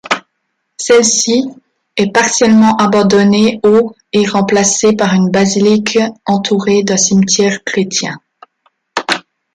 Celle-ci est partiellement abandonnée au et remplacée par une basilique entourée d'un cimetière chrétien.